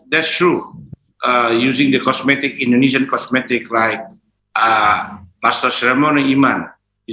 terlihat lebih bagus dari sebelumnya